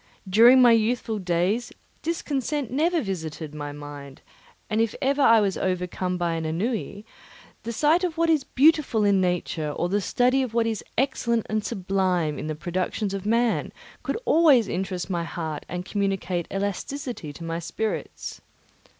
During my youthful days discontent never visited my mind, and if I was ever overcome by ennui, the sight of what is beautiful in nature or the study of what is excellent and sublime in the productions of man could always interest my heart and communicate elasticity to my spirits.